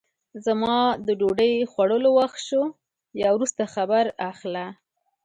زما د ډوډۍ خوړلو وخت سو بیا وروسته خبر اخله!